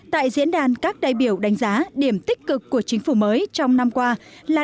tại diễn đàn các đại biểu đánh giá điểm tích cực của chính phủ mới trong năm qua là